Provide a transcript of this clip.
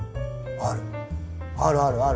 あるあるある。